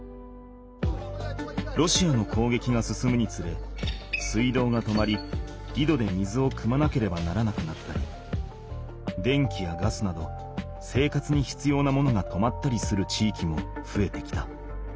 ロシアの攻撃が進むにつれ水道が止まりいどで水をくまなければならなくなったり電気やガスなど生活にひつようなものが止まったりする地域もふえてきた。